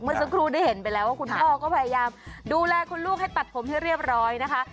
เมื่อสักครู่ได้เห็นไปแล้วว่าคุณพ่อก็พยายามดูแลคุณลูกให้ตัดผมให้เรียบร้อยนะคะ